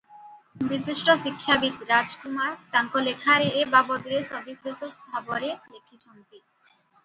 ବିଶିଷ୍ଟ ଶିକ୍ଷାବିତ୍ ରାଜ କୁମାର ତାଙ୍କ ଲେଖାରେ ଏ ବାବଦରେ ସବିଶେଷ ଭାବରେ ଲେଖିଛନ୍ତି ।